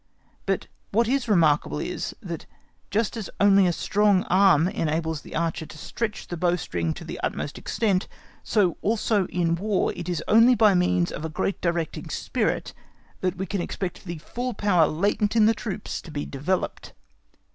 But what is remarkable is, that just as only a strong arm enables the archer to stretch the bowstring to the utmost extent, so also in War it is only by means of a great directing spirit that we can expect the full power latent in the troops to be developed.